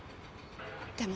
でも